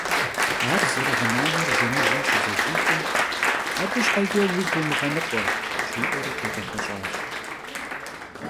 Ar zerığınaner jjemıjım şızexixım: abı şheç'e vuigu vumığenıkhue, – jji'eri khêdexeş'aş.